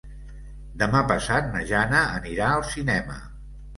Demà passat na Jana anirà al cinema.